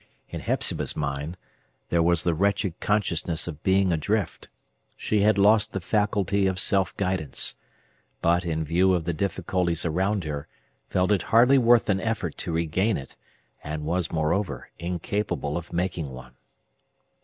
In Hepzibah's mind, there was the wretched consciousness of being adrift. She had lost the faculty of self guidance; but, in view of the difficulties around her, felt it hardly worth an effort to regain it, and was, moreover, incapable of making one.